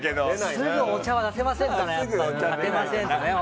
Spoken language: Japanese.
すぐお茶は出せませんからね。